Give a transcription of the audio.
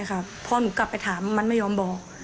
เพราะหนูกลับไปถามมันไม่ยอมบอก